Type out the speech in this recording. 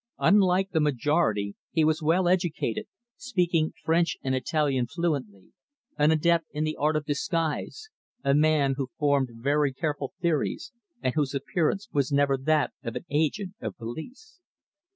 Unlike the majority he was well educated, speaking French and Italian fluently, an adept in the art of disguise, a man who formed very careful theories, and whose appearance was never that of an agent of police.